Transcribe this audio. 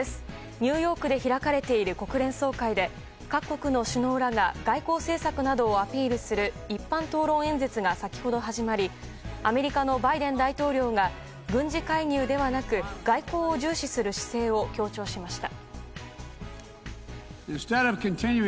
ニューヨークで開かれている国連総会で、各国の首脳らが外交政策などをアピールする一般討論演説が先ほど始まりアメリカのバイデン大統領が軍事介入ではなく外交を重視する姿勢を強調しました。